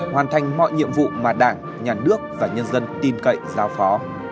hoàn thành mọi nhiệm vụ mà đảng nhà nước và nhân dân tin cậy giao phó